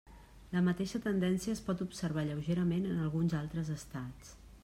La mateixa tendència es pot observar lleugerament en alguns altres estats.